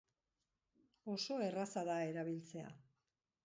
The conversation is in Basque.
Oso erraza da erabiltzea.